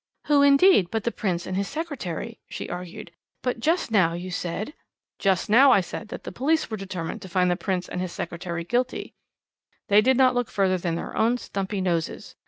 "Who, indeed, but the Prince and his secretary?" she argued. "But just now you said " "Just now I said that the police were determined to find the Prince and his secretary guilty; they did not look further than their own stumpy noses.